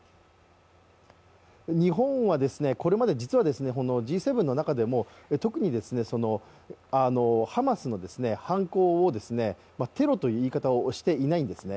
日本はこれまで実はＧ７の中でも特にハマスの犯行をテロという言い方をしていないんですね。